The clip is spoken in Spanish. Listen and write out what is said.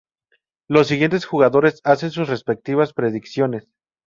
Los siguientes jugadores hacen sus respectivas predicciones.